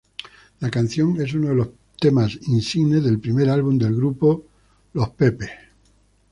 La canción es uno de los temas insignes del primer álbum del grupo, "Mecano".